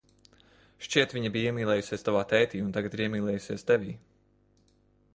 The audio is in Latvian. Šķiet, viņa bija iemīlējusies tavā tētī un tagad ir iemīlējusies tevī.